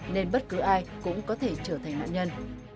nên bất cứ ai cũng có thể trở thành nạn nhân